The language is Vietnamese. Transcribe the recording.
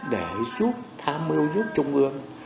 để giúp tham mưu giúp trung ương